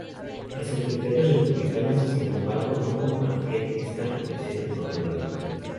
Las autoridades republicanas, sin embargo, no compartían esta represión incontrolada.